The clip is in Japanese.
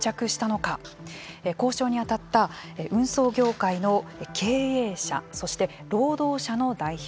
交渉に当たった運送業界の経営者そして労働者の代表